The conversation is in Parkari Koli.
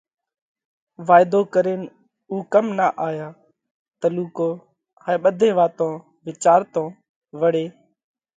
وائيڌو ڪرينَ اُو ڪم نہ آيا؟ تلُوڪو هائي ٻڌي واتون وِيچارتون وۯي